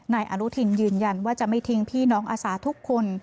นายอนุทินยืนยันว่าจะไม่ทิ้งพี่น้องอาสาทุกคน